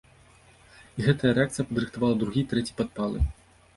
І гэтая рэакцыя падрыхтавала другі і трэці падпалы.